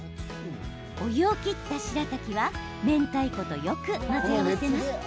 お湯を切ったしらたきはめんたいことよく混ぜ合わせます。